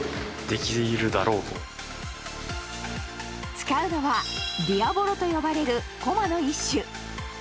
使うのはディアボロと呼ばれるコマの一種。